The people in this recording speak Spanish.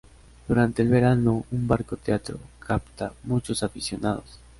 Durante el verano, un barco teatro capta muchos aficionados.